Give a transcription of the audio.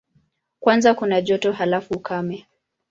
Kwanza kuna joto, halafu ukame.